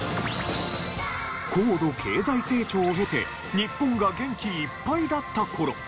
高度経済成長を経て日本が元気いっぱいだった頃。